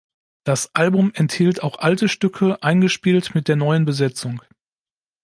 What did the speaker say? Das Album enthielt auch alte Stücke, eingespielt mit der neuen Besetzung.